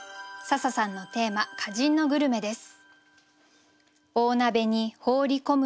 笹さんのテーマ「歌人のグルメ」です。